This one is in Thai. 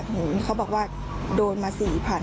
ถึงเขาบอกว่าโดนมา๔๐๐๐บาท